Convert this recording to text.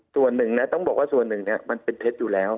ส่วนหนึ่งนะต้องบอกว่าส่วนหนึ่งมันเป็นเท็จอยู่แล้ว